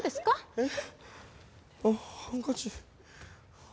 えっ？